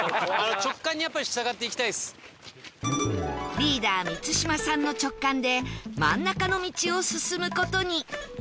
リーダー満島さんの直感で真ん中の道を進む事に